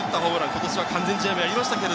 今年は完全試合もありましたが。